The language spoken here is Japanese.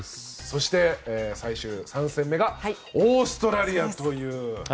そして３戦目がオーストラリアと。